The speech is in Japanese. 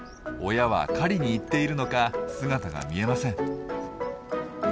親は狩りに行っているのか姿が見えません。